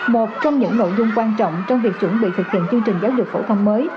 một trong những nội dung quan trọng trong việc chuẩn bị thực hiện chương trình giáo dục phổ thông mới